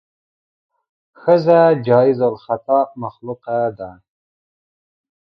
ښځه جایز الخطا مخلوقه ده.